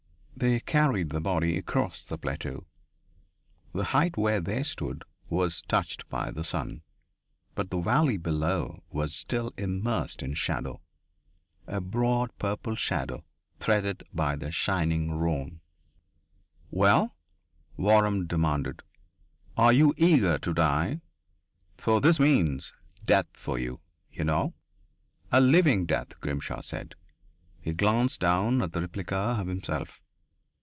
They carried the body across the plateau. The height where they stood was touched by the sun, but the valley below was still immersed in shadow, a broad purple shadow threaded by the shining Rhone. "Well?" Waram demanded. "Are you eager to die? For this means death for you, you know." "A living death," Grimshaw said. He glanced down at the replica of himself.